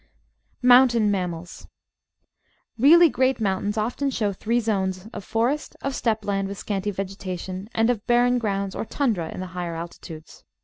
Mountain Mammals Really great mountains often show three zones — of forest, of steppe land with scanty vegetation, and of barren grounds or tundra in the higher altitudes.